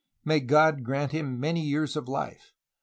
May God grant him many years of life.